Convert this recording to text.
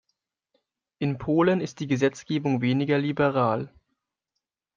In Polen ist die Gesetzgebung weniger liberal.